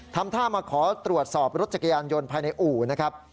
ทำท่ามาขอตรวจสอบรถจักรยานยนต์ภายในอู่นะครับ